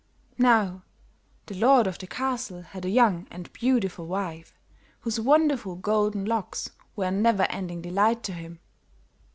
"Now, the lord of the castle had a young and beautiful wife whose wonderful golden locks were a never ending delight to him.